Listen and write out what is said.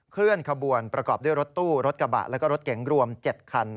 เคลื่อนขบวนประกอบด้วยรถตู้รถกระบะแล้วก็รถเก๋งรวม๗คัน